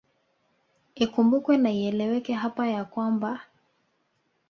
Ikumbukwe na ieleweke hapa ya kwamba